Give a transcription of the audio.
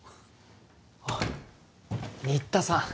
あっ新田さん